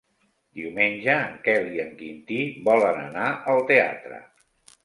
Diumenge en Quel i en Quintí volen anar al teatre.